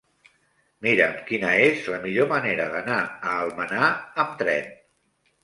Mira'm quina és la millor manera d'anar a Almenar amb tren.